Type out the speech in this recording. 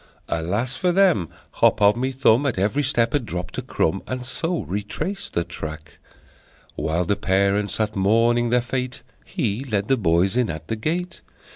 Alas for them! Hop O' My Thumb At every step had dropped a crumb, And so retraced the track. While the parents sat mourning their fate He led the boys in at the gate!